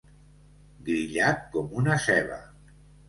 Grillat com una ceba.